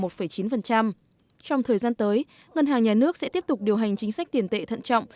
trong thời gian tới ngân hàng nhà nước sẽ tiếp tục điều hành chính sách tiền tệ thận trọng